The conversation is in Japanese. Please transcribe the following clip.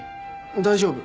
大丈夫。